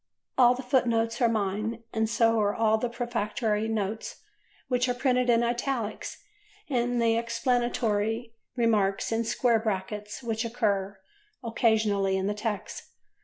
All the footnotes are mine and so are all those prefatory notes which are printed in italics and the explanatory remarks in square brackets which occur occasionally in the text.